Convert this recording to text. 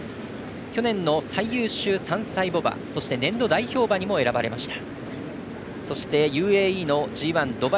去年の最優秀３歳牡馬そして年度代表馬にも選ばれました。